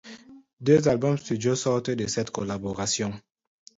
Deux albums studio sortent de cette collaboration.